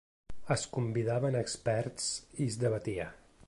Es convidaven experts i es debatia.